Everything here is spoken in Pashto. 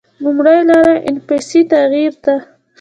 لومړۍ لاره انفسي تغییر ده.